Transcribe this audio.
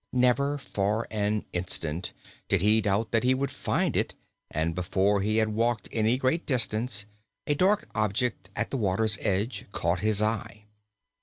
Never for an instant did he doubt that he would find it and before he had walked any great distance a dark object at the water's edge caught his eye.